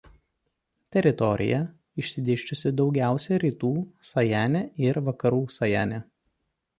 Teritorija išsidėsčiusi daugiausia Rytų Sajane ir Vakarų Sajane.